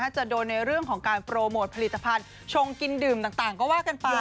จะโดนในเรื่องของการโปรโมทผลิตภัณฑ์ชงกินดื่มต่างก็ว่ากันไป